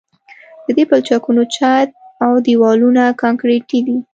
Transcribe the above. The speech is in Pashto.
د دې پلچکونو چت او دیوالونه کانکریټي دي